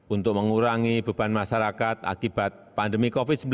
untuk mengurangi beban masyarakat akibat pandemi covid sembilan belas